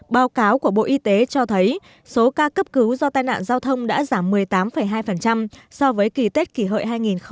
báo cáo của bộ y tế cho thấy số ca cấp cứu do tai nạn giao thông đã giảm một mươi tám hai so với kỳ tết kỷ hợi hai nghìn một mươi chín